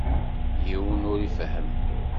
Yiwen ur t-ifehhem.